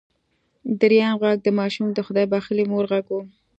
دريم غږ د ماشوم د خدای بښلې مور غږ و.